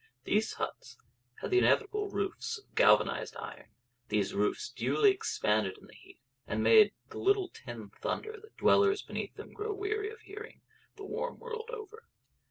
These huts had the inevitable roofs of galvanised iron; these roofs duly expanded in the heat, and made the little tin thunder that dwellers beneath them grow weary of hearing, the warm world over.